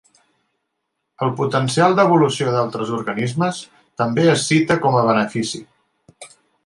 El potencial d'evolució d'altres organismes també es cita com a benefici.